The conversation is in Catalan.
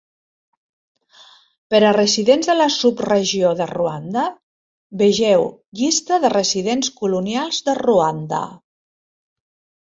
Per a "residents de la subregió de Ruanda", vegeu "Llista de residents colonials de Ruanda".